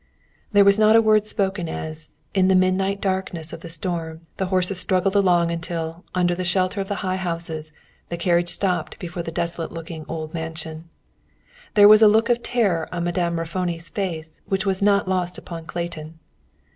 There was not a word spoken as, in the midnight darkness of the storm, the horses struggled along until, under the shelter of the high houses, the carriage stopped before the desolate looking old mansion. There was a look of terror on Madame Raffoni's face which was not lost upon Clayton.